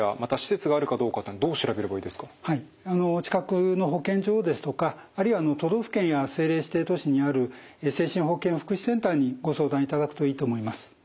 お近くの保健所ですとかあるいは都道府県や政令指定都市にある精神保健福祉センターにご相談いただくといいと思います。